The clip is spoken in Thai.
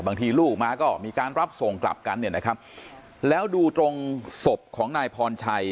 ลูกมาก็มีการรับส่งกลับกันเนี่ยนะครับแล้วดูตรงศพของนายพรชัย